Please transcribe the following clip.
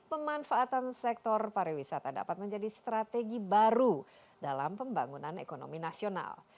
pemanfaatan sektor pariwisata dapat menjadi strategi baru dalam pembangunan ekonomi nasional